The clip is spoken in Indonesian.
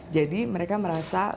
jadi mereka merasa